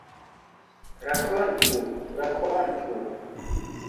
Rakontu, rakontu!